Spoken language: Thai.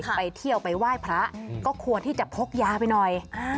ไปเที่ยวไปไหว้พระก็ควรที่จะพกยาไปหน่อย